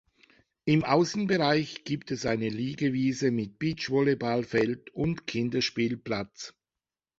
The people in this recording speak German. Im Außenbereich gibt es eine Liegewiese mit Beachvolleyballfeld und Kinderspielplatz.